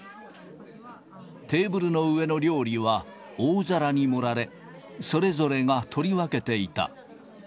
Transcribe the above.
テーブルの上の料理は大皿に盛られ、それぞれが取り分けていた。